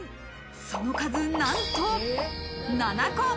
その数、なんと７個。